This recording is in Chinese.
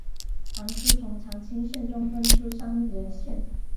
唐初从长清县中分出山荏县。